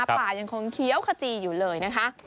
ป่ายังคงเคี้ยวขจีอยู่เลยนะคะ